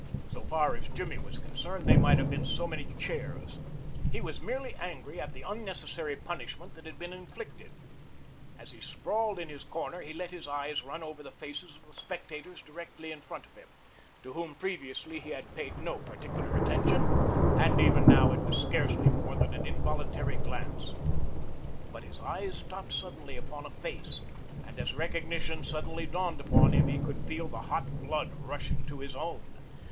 So far as Jimmy was concerned, they might have been so many chairs. He was merely angry at the unnecessary punishment that had been inflicted. As he sprawled in his corner he let his eyes run over the faces of the spectators directly in front of him, to whom previously he had paid no particular attention, and even now it was scarcely more than an involuntary glance; but his eyes stopped suddenly upon a face, and as recognition suddenly dawned upon him he could feel the hot blood rushing to his own.